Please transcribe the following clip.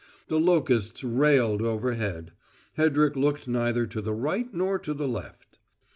The locusts railed overhead: Hedrick looked neither to the right nor to the left.